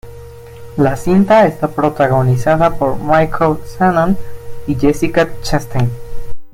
La cinta está protagonizada por Michael Shannon y Jessica Chastain.